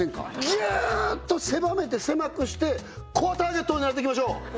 ギューッと狭めて狭くしてコアターゲットを狙っていきましょう！